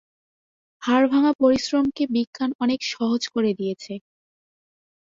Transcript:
হাড় ভাঙা পরিশ্রমকে বিজ্ঞান অনেক সহজ করে দিয়েছে।